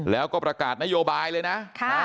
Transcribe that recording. แล้วก็ประกาศนโยบายเลยนะ